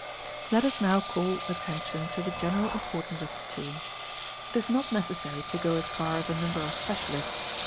Let us now call attention to the general importance of tattooing. It is not necessary to go as far as a number of specialists @!